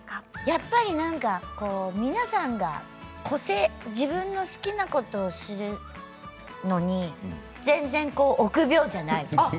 やっぱりなんか皆さんが自分の好きなことをするのに全然臆病じゃない。